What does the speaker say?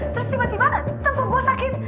terus tiba tiba tembok gue sakit